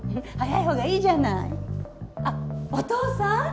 早い方がいいじゃないあっお父さん？